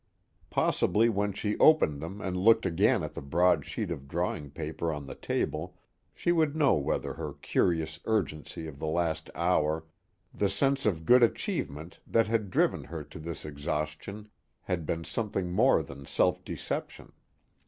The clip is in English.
Possibly when she opened them and looked again at the broad sheet of drawing paper on the table, she would know whether her curious urgency of the last hour, the sense of good achievement that had driven her to this exhaustion, had been something more than self deception.